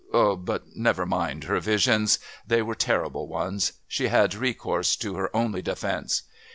but never mind her visions. They were terrible ones. She had recourse to her only defence.